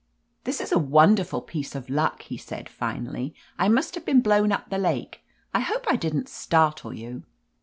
"This is a wonderful piece of luck," he said finally. "I must have been blown up the lake. I hope I didn't startle you?"